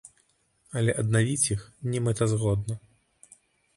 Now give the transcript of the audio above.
Але аднавіць іх немэтазгодна.